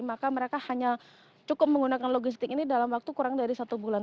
maka mereka hanya cukup menggunakan logistik ini dalam waktu kurang dari satu bulan